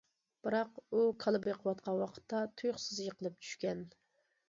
بىراق ئۇ كالا بېقىۋاتقان ۋاقىتتا تۇيۇقسىز يىقىلىپ چۈشكەن.